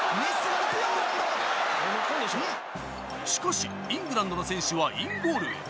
しかし、イングランドの選手はインゴールへ。